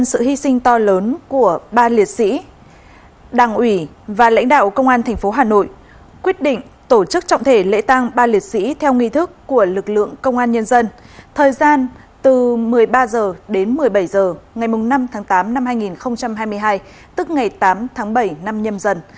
thời gian từ một mươi ba h đến một mươi bảy h ngày năm tháng tám năm hai nghìn hai mươi hai tức ngày tám tháng bảy năm nhâm dần